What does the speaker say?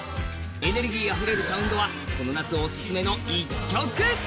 エネルギーあふれるサウンドはこの夏オススメの１曲。